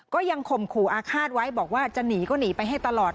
ข่มขู่อาฆาตไว้บอกว่าจะหนีก็หนีไปให้ตลอด